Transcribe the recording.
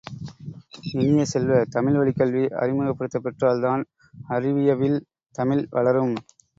இனிய செல்வ, தமிழ்வழிக் கல்வி அறிமுகப்படுத்தப்பெற்றால் தான் அறிவியவில் தமிழ் வளரும்.